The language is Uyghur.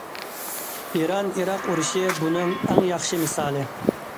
ئىران ئىراق ئۇرۇشى بۇنىڭ ئەڭ ياخشى مىسالى.